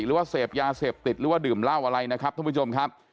หรือว่าเสพยาเสพติดหรือว่าดื่มเหล้าอะไรนะครับท่านผู้ชมครับ